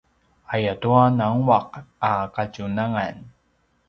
ayatua nanguaq a kadjunangan